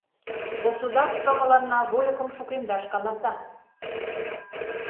Государство мыланна вольыкым шукемдаш каласа.